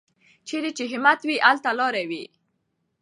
چېرې چې همت وي، هلته لاره وي.